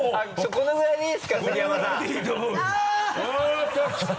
このぐらいでいいと思う。